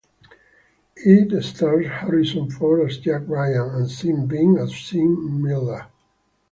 It stars Harrison Ford as Jack Ryan and Sean Bean as Sean Miller.